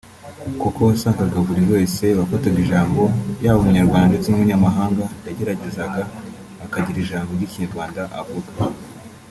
kuko wasangaga buri wese wafataga ijambo yaba Umunyarwanda ndetse n’Umunyamahanga yageragezaga akagira ijambo ry’Ikinyarwanda avuga